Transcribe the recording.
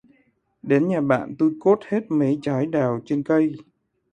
Đến nhà bạn, tui cốt hết mấy trái đào trên cây